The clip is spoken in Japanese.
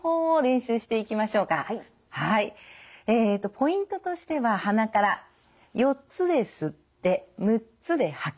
ポイントとしては鼻から４つで吸って６つで吐く。